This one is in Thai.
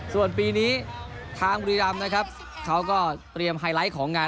ส่วนปีนี้ทางบุรีรำนะครับเขาก็เตรียมไฮไลท์ของงาน